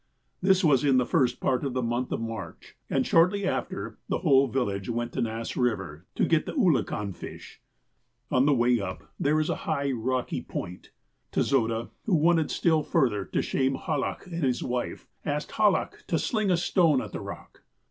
" This was in the first part of the month of March, and, shortly after, the whole village went to Nass Eiver to get the oolakau fish. " On the way up, there is a high, rocky point. Tezoda, who wanted still further to ' shame ' Hallach and his wife, asked Hallach to sling a stone at the rock.